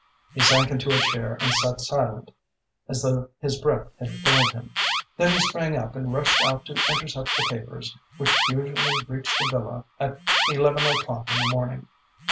He sank into a chair and sat silent, as though his breath had failed him. Then he sprang up and rushed out to intercept the papers, which usually reached the villa at eleven o'clock in the morning.